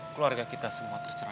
keluarga kita semua tercerah